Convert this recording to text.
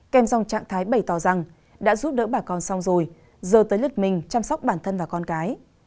kèm dòng trạng thái bày tỏ rằng đã giúp đỡ bà con xong rồi giờ tới lượt mình chăm sóc bản thân và con cái